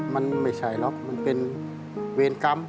มันไม่ใช่หรอกมันเป็นเวรกรรม